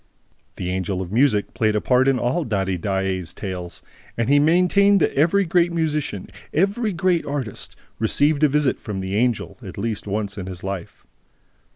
The Angel of Music played a part in all Daddy Daae's tales; and he maintained that every great musician, every great artist received a visit from the Angel at least once in his life.